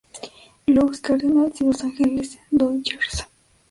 Louis Cardinals y Los Angeles Dodgers.